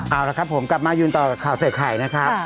เอาละครับผมกลับมายืนต่อข่าวใส่ไข่นะครับ